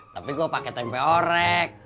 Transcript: tapi gue pakai tempe orek